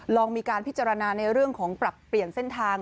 ลองมีการพิจารณาในเรื่องของปรับเปลี่ยนเส้นทาง